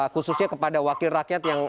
khususnya kepada wakil rakyat yang